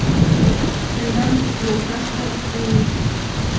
— Тендан йолташда лийым.